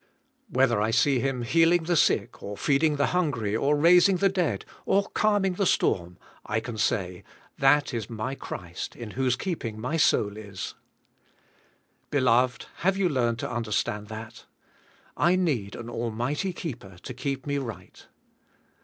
Whether I see Him healing the sick, or feeding the hungry, or raising the dead, or calming the storm, I can say, ''That is my Christ, 224 THK SPIRITUAI. I<IF^. in whose keeping my soul is." Beloved, have you learned to understand that? I need an almig hty keeper to keep me right.